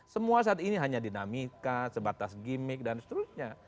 semua saat ini hanya dinamika sebatas gimmick dan seterusnya